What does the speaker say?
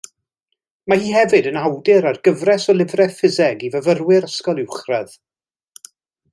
Mae hi hefyd yn awdur ar gyfres o lyfrau ffiseg i fyfyrwyr ysgol uwchradd.